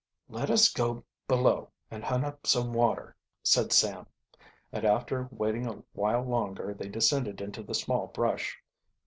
"Let us go below and hunt up some water," said Sam; and after waiting a while longer they descended into the small brush.